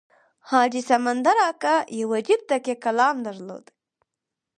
حاجي سمندر اکا یو عجیب تکیه کلام درلود.